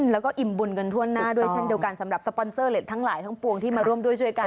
แล้วก็อิ่มบุญกันทั่วหน้าด้วยเช่นเดียวกันสำหรับสปอนเซอร์เล็ตทั้งหลายทั้งปวงที่มาร่วมด้วยช่วยกัน